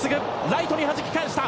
ライトにはじき返した。